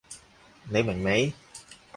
你明未？